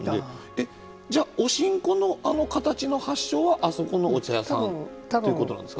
えっ、じゃあおしんこのあの形の発祥はあそこのお茶屋さんということなんですか。